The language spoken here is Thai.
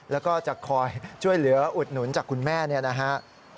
แล้วก็จะคอยช่วยเหลืออุดหนุนจากคุณแม่เนี่ยนะฮะ